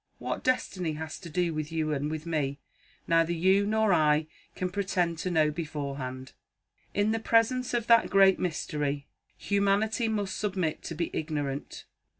What Destiny has to do with you and with me, neither you nor I can pretend to know beforehand. In the presence of that great mystery, humanity must submit to be ignorant.